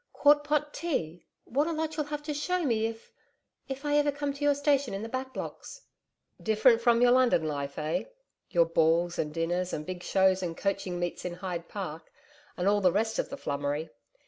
'Quartpot tea! What a lot you'll have to show me if if I ever come to your station in the Back Blocks.' 'Different from your London Life, eh? ... Your balls and dinners and big shows and coaching meets in Hyde Park, and all the rest of the flummery!